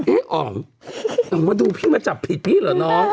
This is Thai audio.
เอออ๋องมาดูพี่มาจับผิดหรอน้อง